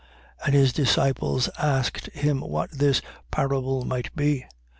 8:9. And his disciples asked him what this parable might be.